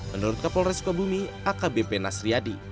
menurut kapolres kabumi akbp nasriadi